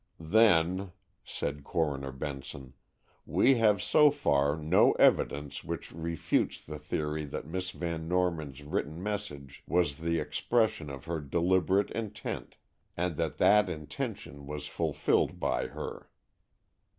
"Then," said Coroner Benson, "we have, so far, no evidence which refutes the theory that Miss Van Norman's written message was the expression of her deliberate intent, and that that intention was fulfilled by her."